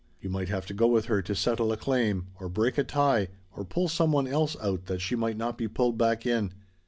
You might have to go with her to settle a claim, or break a tie, or pull some one else out that she might not be pulled back in.